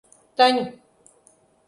Tenho